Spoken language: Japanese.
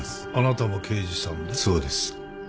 そうです。